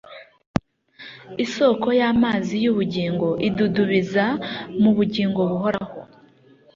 "Isoko y'amazi y'ubugingo idudubiza mu bugingo buhoraho."